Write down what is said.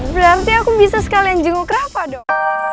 berarti aku bisa sekalian jenguk rapat dong